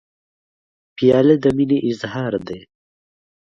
پیاله د مینې اظهار دی.